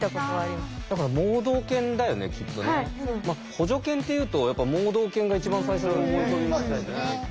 補助犬っていうと盲導犬が一番最初に思い浮かびますよね。